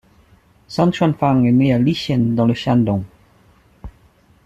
Sun Chuanfang est né à Lichen dans le Shandong.